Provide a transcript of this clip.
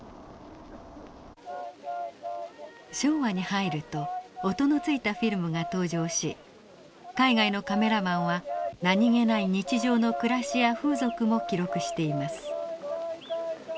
昭和に入ると音のついたフィルムが登場し海外のカメラマンは何気ない日常の暮らしや風俗も記録しています。